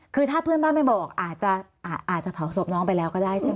คือถ้าเพื่อนบ้านไม่บอกอาจจะเผาศพน้องไปแล้วก็ได้ใช่ไหม